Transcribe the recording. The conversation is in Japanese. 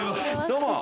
どうも。